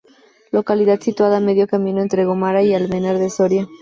Localidad situada a medio camino entre Gómara y Almenar de Soria.